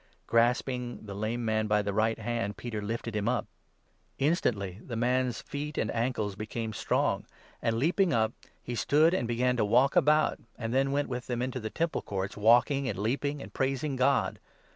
Grasping the lame man by the right hand, Peter lifted him up. 7 89 Dan. 9. 7 ; Joel a. 32. 218 THE ACTS, 8. Instantly the man's feet and ankles became strong, and, leaping 8 up, he stood and began to walk about, and then went with them into the Temple Courts, walking, and leaping, and praising God.